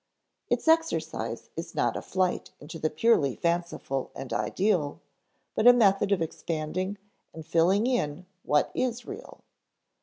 Its exercise is not a flight into the purely fanciful and ideal, but a method of expanding and filling in what is real.